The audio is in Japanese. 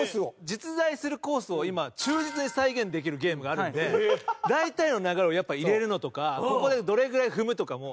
実在するコースを今、忠実に再現できるゲームがあるので大体の流れを入れるのとかここでどれくらい踏むとかも。